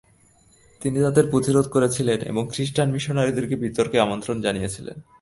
তিনি তাদের প্রতিরোধ করেছিলেন এবং খ্রিস্টান মিশনারিদের বিতর্কে আমন্ত্রণ জানিয়েছিলেন।